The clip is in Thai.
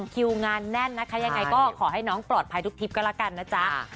คิวงานแน่นนะคะยังไงก็ขอให้น้องปลอดภัยทุกทริปก็แล้วกันนะจ๊ะ